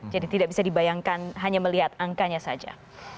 jadi tidak bisa dibayangkan hanya melihat angkanya saja